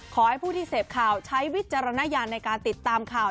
ขอให้ผู้ที่เสพข่าวใช้วิจารณญาณในการติดตามข่าว